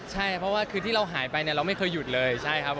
ใช่เพราะว่าคือที่เราหายไปเนี่ยเราไม่เคยหยุดเลยใช่ครับ